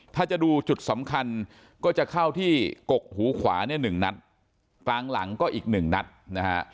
ถ้าจะดูจุดสำคัญก็จะเข้าที่กกหูขวานี่๑นัดฝั่งหลังก็อีก๑นัดนะฮะ